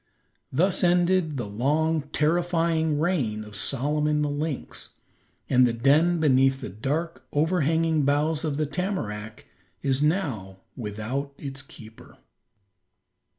Thus ended the long, terrifying reign of Solomon the lynx, and the den beneath the dark, overhanging boughs of the tamarack is now without its keeper.